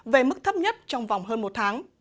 về mức thấp nhất trong vòng hơn một tháng